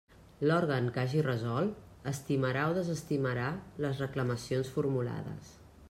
L'òrgan que hagi resolt, estimarà o desestimarà les reclamacions formulades.